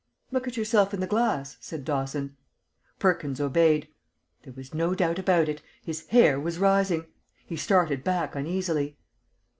"Look at yourself in the glass," said Dawson. Perkins obeyed. There was no doubt about it. His hair was rising! He started back uneasily.